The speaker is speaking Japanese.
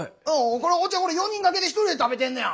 これおっちゃんこれ４人掛けで１人で食べてんねや。